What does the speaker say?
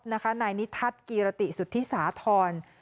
นายนิทัศน์กีรติสุธิสาธร